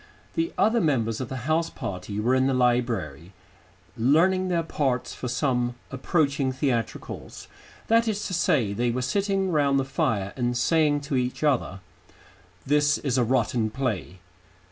The other members of the house party were in the library, learning their parts for some approaching theatricals that is to say, they were sitting round the fire and saying to each other, "This is a rotten play."